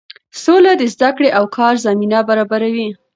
سوله د زده کړې او کار زمینه برابروي.